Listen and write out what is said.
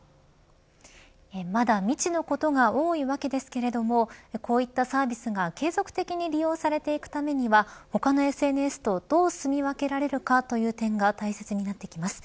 まだ未知のことが多いわけですけれどもこういったサービスが継続的に利用されていくためには他のＳＮＳとどう住み分けられるかという点が大切になってきます。